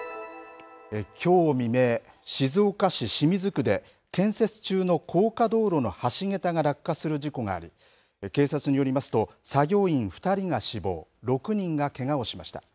きょう未明、静岡市清水区で建設中の高架道路の橋桁が落下する事故があり警察によりますと作業員２人が死亡６人がけがをしました。